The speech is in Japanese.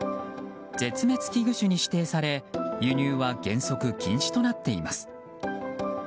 絶滅危惧種に指定され輸入は原則、禁止となっています。